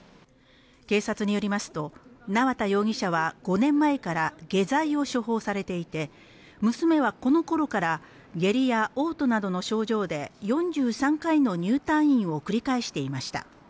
警察によりますと、縄田容疑者は５年前から下剤を処方されていて娘はこの頃から下痢や嘔吐などの症状で４３回の入退院を繰り返していました。